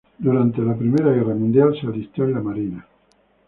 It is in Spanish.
Se alistó en la Primera Guerra Mundial en la marina.